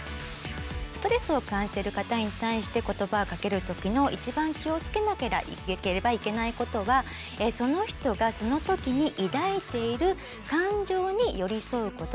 ストレスを感じてる方に対して言葉をかける時の一番気を付けなければいけないことはその人がその時に抱いている寄り添うこと。